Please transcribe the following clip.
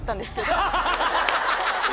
ハハハハ！